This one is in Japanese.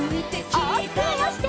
おおきくまわして。